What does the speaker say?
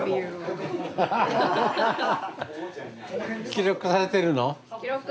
記録されてます。